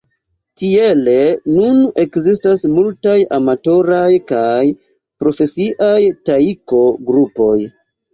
Tiele nun ekzistas multaj amatoraj kaj profesiaj Taiko-grupoj.